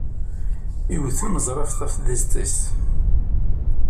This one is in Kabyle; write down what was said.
Iwet unezraf tafḍist-is.